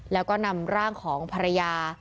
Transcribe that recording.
แล้วก็นำร่างของภรรยา